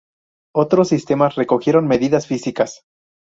Otros sistemas recogieron medidas físicas.